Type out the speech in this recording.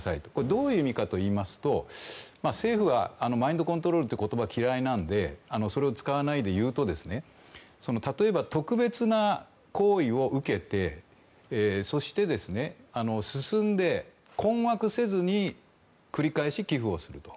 どういう意味かといいますと政府はマインドコントロールという言葉が嫌いなのでそれを使わないで言うと例えば、特別な行為を受けてそして、進んで困惑せずに繰り返し寄付をすると。